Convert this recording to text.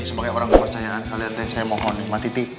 sebagai orang kepercayaan saya mohon sama titip